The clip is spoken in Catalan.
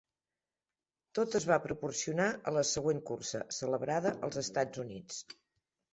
Tot es va proporcionar a la següent cursa, celebrada als Estats Units.